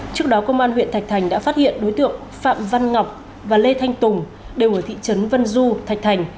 trước đó công an huyện thạch thành đã phát hiện đối tượng phạm văn ngọc và lê thanh tùng đều ở thị trấn vân du thạch thành